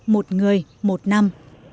một người một năm